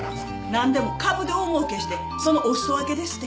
何でも株で大もうけしてそのおすそ分けですって。